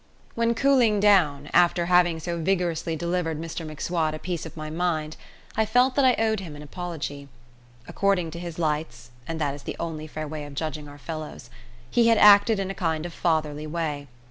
When cooling down, after having so vigorously delivered Mr M'Swat a piece of my mind, I felt that I owed him an apology. According to his lights (and that is the only fair way of judging our fellows) he had acted in a kind of fatherly way.